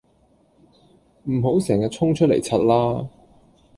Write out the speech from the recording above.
唔好成日衝出嚟柒啦